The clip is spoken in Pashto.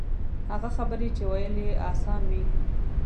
هغه خبرې چې ویل یې آسان وي.